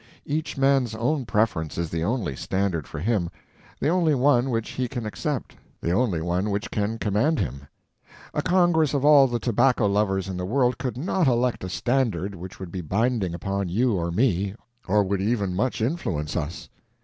Each man's own preference is the only standard for him, the only one which he can accept, the only one which can command him. A congress of all the tobacco lovers in the world could not elect a standard which would be binding upon you or me, or would even much influence us.